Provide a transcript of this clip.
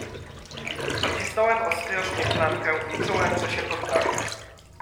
"Pocisnąłem ostrożnie klamkę i czułem, że się poddaje."